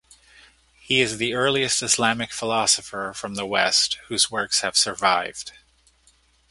He is the earliest Islamic philosopher from the West whose works have survived.